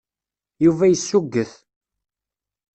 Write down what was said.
Yuba yessuget.